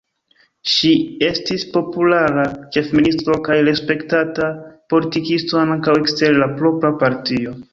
Ŝi estis populara ĉefministro kaj respektata politikisto ankaŭ ekster la propra partio.